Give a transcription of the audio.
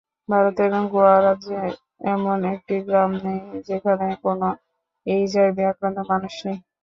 ভারতের গোয়া রাজ্যে এমন একটি গ্রাম নেই, যেখানে কোনো এইচআইভি-আক্রান্ত মানুষ নেই।